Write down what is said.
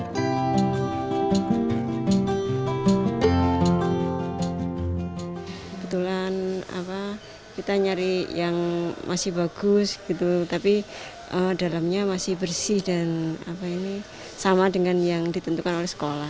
kebetulan kita nyari yang masih bagus gitu tapi dalamnya masih bersih dan sama dengan yang ditentukan oleh sekolah